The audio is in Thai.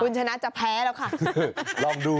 คุณชนะจะแพ้แล้วค่ะ